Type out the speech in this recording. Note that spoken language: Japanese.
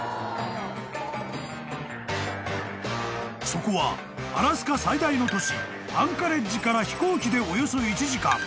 ［そこはアラスカ最大の都市アンカレッジから飛行機でおよそ１時間］